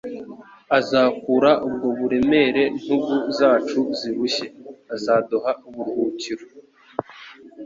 Azakura ubwo buremere ntugu zacu zirushye. Azaduha uburuhukiro.